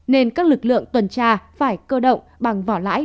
nên các lực lượng tuần tra phải cơ động bằng vỏ lãi